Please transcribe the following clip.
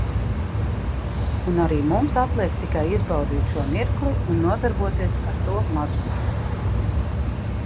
Un arī mums atliek tikai izbaudīt šo mirkli un nodarboties ar to mazumiņu.